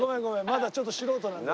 まだちょっと素人なんで。